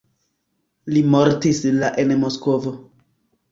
Li mortis la en Moskvo.